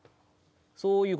そういう事？